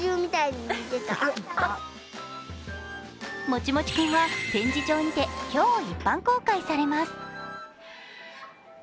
もちもち君は展示場にて今日、一般公開されます。